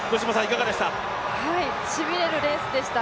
しびれるレースでした。